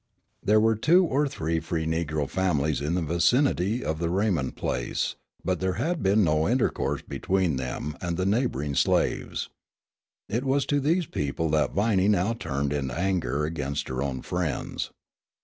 There were two or three free negro families in the vicinity of the Raymond place, but there had been no intercourse between them and the neighboring slaves. It was to these people that Viney now turned in anger against her own friends.